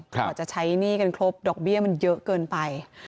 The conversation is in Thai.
กว่าจะใช้หนี้กันครบดอกเบี้ยมันเยอะเกินไป